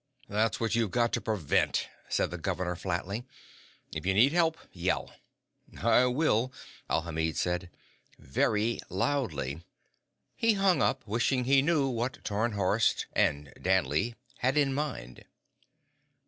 "That's what you've got to prevent," said the governor flatly. "If you need help, yell." "I will," Alhamid said. "Very loudly." He hung up, wishing he knew what Tarnhorst and Danley had in mind.